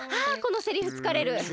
あこのセリフつかれる！